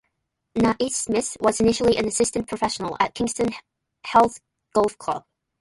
Naismith was initially an assistant professional at Kingston Heath Golf Club.